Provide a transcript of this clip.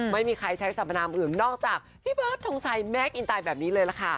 ไม่มีใครใช้สรรพนามอื่นนอกจากพี่เบิร์ดทงชัยแมคอินไตแบบนี้เลยล่ะค่ะ